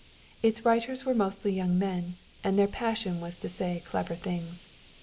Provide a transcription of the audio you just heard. Its writers were mostly young men, and their passion was to say clever things.